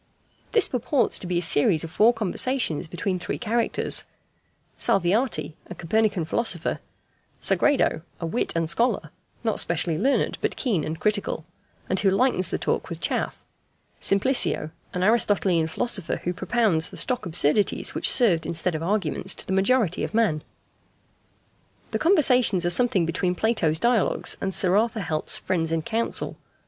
This purports to be a series of four conversations between three characters: Salviati, a Copernican philosopher; Sagredo, a wit and scholar, not specially learned, but keen and critical, and who lightens the talk with chaff; Simplicio, an Aristotelian philosopher, who propounds the stock absurdities which served instead of arguments to the majority of men. The conversations are something between Plato's Dialogues and Sir Arthur Helps's Friends in Council.